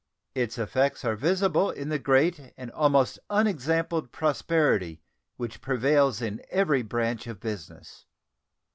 Its effects are visible in the great and almost unexampled prosperity which prevails in every branch of business.